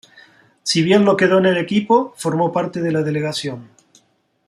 Si bien no quedó en el equipo, formó parte de la delegación.